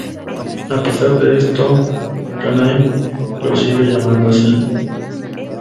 A pesar de esto, Kaname lo sigue llamando así.